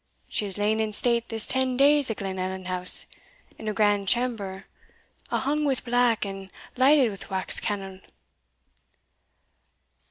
She has lain in state this ten days at Glenallan House, in a grand chamber a' hung wi' black, and lighted wi' wax cannle."